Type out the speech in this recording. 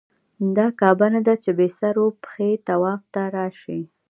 دا کعبه نه ده چې بې سر و پښې طواف ته راشې.